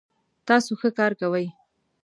تاسو ښه کار کوئ